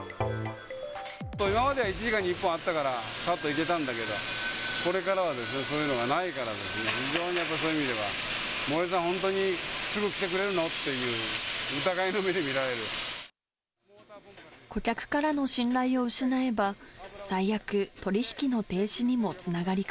今までは１時間に１本あったから、ぱっと行けたんだけど、これからはそういうのがないからですね、非常にやっぱりそういう意味では、森さん、本当にすぐ来てくれるの？っていう、疑いの目で見られる。